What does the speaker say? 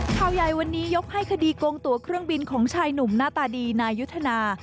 ข่าวใหญ่วันนี้ยกให้คดีโกงตัวเครื่องบินของชายหนุ่มหน้าตาดีนายุทธนา